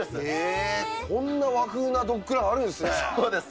こんな和風なドッグランあるそうです。